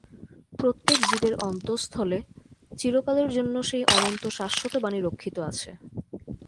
প্র্রত্যেক জীবের অন্তস্তলে চিরকালের জন্য সেই অনন্ত শাশ্বত বাণী রক্ষিত আছে।